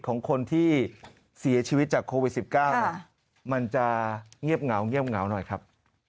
ของคนที่เสียชีวิตจากโควิด๑๙มันจะเงียบเหงาเงียบเหงาหน่อยครับ